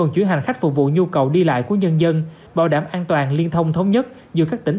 chuyển hành khách phục vụ nhu cầu đi lại của nhân dân bảo đảm an toàn liên thông thống nhất giữa các tỉnh